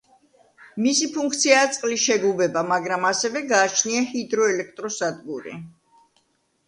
მისი ფუნქციაა წყლის შეგუბება, მაგრამ ასევე გააჩნია ჰიდროელექტროსადგური.